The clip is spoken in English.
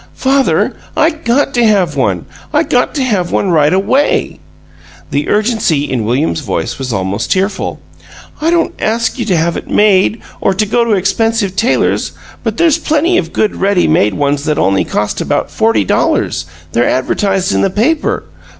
"Father, I GOT to have one. I got to have one right away!" The urgency in William's voice was almost tearful. "I don't ask you to have it made, or to go to expensive tailors, but there's plenty of good ready made ones that only cost about forty dollars; they're advertised in the paper.